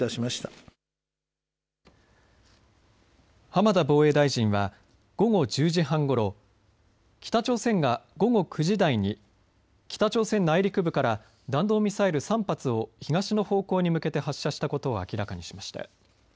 浜田防衛大臣は午後１０時半ごろ北朝鮮が午後９時台に北朝鮮内陸部から弾道ミサイル３発を東の方向に向けて発射したことを明らかにしました。